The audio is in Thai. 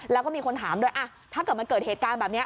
แล้วก็มีคนถามด้วยถ้าเกิดมันเกิดเหตุการณ์แบบนี้